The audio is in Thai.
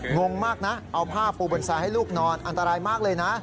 งงมากนะเอาผ้าปูบนทรายให้ลูกนอนอันตรายมากเลยนะ